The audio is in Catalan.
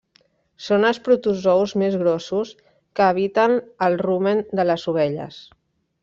Són els protozous més grossos que habiten el rumen de les ovelles.